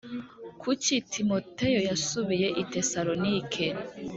Kuki timoteyo yasubiye i tesalonike